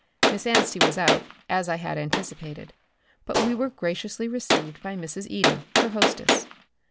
Miss Anstey was out, as I had anticipated, but we were graciously received by Mrs. Eden, her hostess.